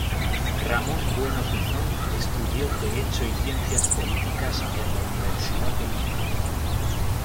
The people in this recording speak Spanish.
Ramón Bueno Tizón estudió Derecho y Ciencias Políticas en la Universidad de Lima.